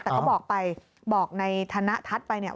แต่ก็บอกไปบอกในธนทัศน์ไปเนี่ย